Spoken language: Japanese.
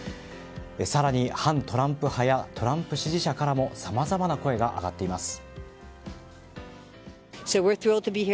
更に、反トランプ派やトランプ支持者からもさまざまな声が上がっています。